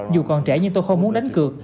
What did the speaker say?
dù còn trẻ nhưng tôi không muốn đánh cược